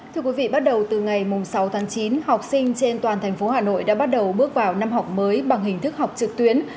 thưa quý vị bắt đầu từ ngày sáu tháng chín học sinh trên toàn thành phố hà nội đã bắt đầu bước vào năm học mới bằng hình thức học trực tuyến